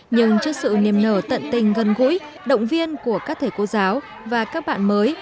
nhưng trước sự niềm nở tận tình gần gũi động viên của các thầy cô giáo và các bạn mới